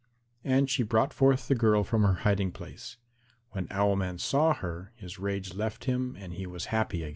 And she brought forth the girl from her hiding place. When Owl man saw her, his rage left him and he was happy again.